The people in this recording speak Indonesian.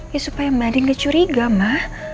ya supaya madi nggak curiga ma